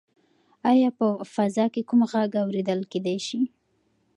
ایا په فضا کې کوم غږ اورېدل کیدی شي؟